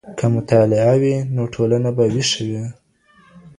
که مطالعه وي، نو ټولنه به ويښه وي.